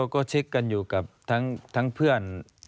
ก็เช็คกันอยู่กับทั้งเพื่อน